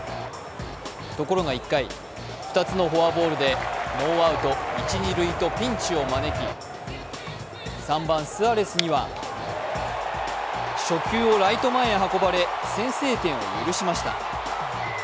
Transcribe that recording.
ところが１回、２つのフォアボールでノーアウト一・二塁とピンチを招き、３番・スアレスには初球をライト前へ運ばれ、先制点を許しました。